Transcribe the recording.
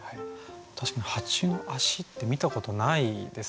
確かに蜂の足って見たことないです意識して。